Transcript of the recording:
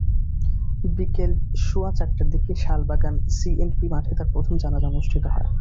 বিকেল সোয়া চারটার দিকে শালবাগান সিঅ্যান্ডবি মাঠে তাঁর প্রথম জানাজা অনুষ্ঠিত হয়।